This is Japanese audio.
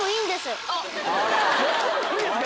やってもいいんですか？